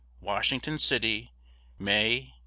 Washington City, May, 1872.